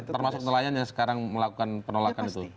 termasuk nelayan yang sekarang melakukan penolakan itu